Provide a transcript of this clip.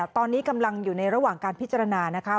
ตอนนี้กำลังอยู่ในระหว่างการพิจารณานะคะ